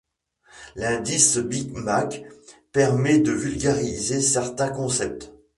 L'indice Big Mac permet de vulgariser certains concepts.